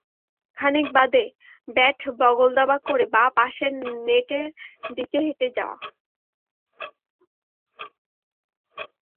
খানিক বাদে ব্যাট বগলদাবা করে বাঁ পাশের নেটের দিকে হেঁটে যাওয়া।